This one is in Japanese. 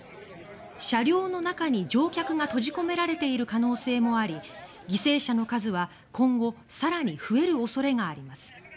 車両の中に乗客が閉じ込められている可能性もあり犠牲者の数は、今後更に増える恐れがあります。